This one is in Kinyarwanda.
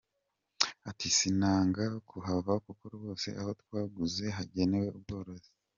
Ati “ Sinanga kuhava kuko rwose aho twaguze hagenewe ubworozi.